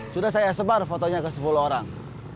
sudah saya sebar fotonya ke sepuluh orang